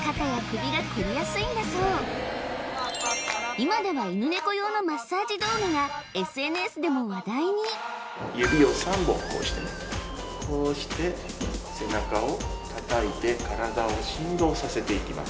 今では犬ネコ用のマッサージ動画がＳＮＳでも話題に指を３本こうしてねこうして背中を叩いて体を振動させていきます